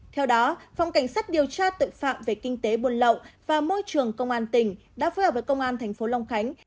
theo đó phòng cảnh sát điều tra tội phạm về kinh tế buôn lậu và môi trường công an tỉnh đã phối hợp với công an thành phố long khánh